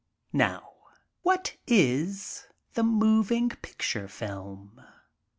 Now, what is the moving picture film?